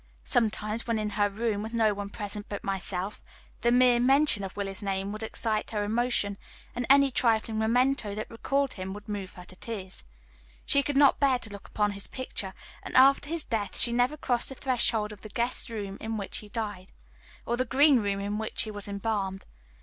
Sometimes, when in her room, with no one present but myself, the mere mention of Willie's name would excite her emotion, and any trifling memento that recalled him would move her to tears. She could not bear to look upon his picture; and after his death she never crossed the threshold of the Guest's Room in which he died, or the Green Room in which he was embalmed.